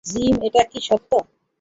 Gym, এটা কি সত্য?